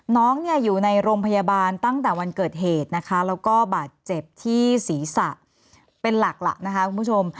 น้องเนี่ยอยู่ในโรงพยาบาลตั้งแต่วันเกิดเหตุนะคะแล้วก็บาดเจ็บที่ศีรษะเป็นหลักล่ะนะคะคุณผู้ชม